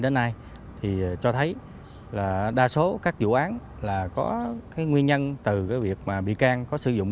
đến nay thì cho thấy là đa số các vụ án là có cái nguyên nhân từ cái việc mà bị can có sử dụng